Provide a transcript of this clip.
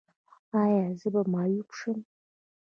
ایا زه به معیوب شم؟